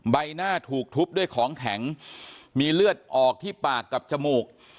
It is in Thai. ใบหน้าถูกทุบด้วยของแข็งมีเลือดออกที่ปากกับจมูก